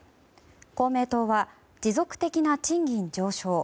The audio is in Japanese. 公明党は、持続的な賃金上昇。